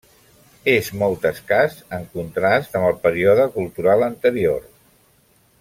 És molt escàs en contrast amb el període cultural anterior.